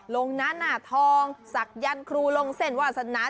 ลงนั้นน่ะทองสักยันคลูลงเส้นวาสนา